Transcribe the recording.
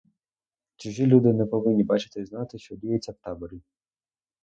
Чужі люди не повинні бачити і знати, що діється в таборі.